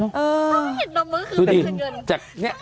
จะต้องหัวแบบแต่นี้